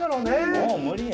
もう無理よ